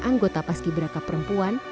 anggota paski braka perempuan